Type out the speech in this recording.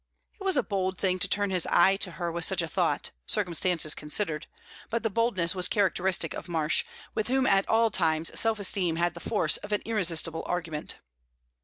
It was a bold thing to turn his eye to her with such a thought, circumstances considered; but the boldness was characteristic of Marsh, with whom at all times self esteem had the force of an irresistible argument.